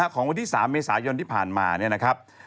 ของวันที่๓เมษายนที่ผ่านมา